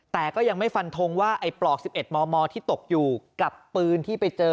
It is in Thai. แต่ก็ยังไม่ฟันทงว่าไอ้ปลอก๑๑มมที่ตกอยู่กับปืนที่ไปเจอ